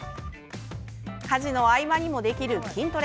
家事の合間にもできる筋トレ。